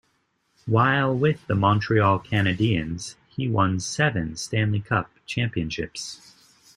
While with the Montreal Canadiens, he won seven Stanley Cup championships.